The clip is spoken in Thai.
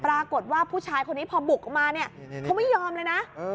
ปรากฏว่าผู้ชายคนนี้พอบุกออกมาเนี่ยเขาไม่ยอมเลยนะ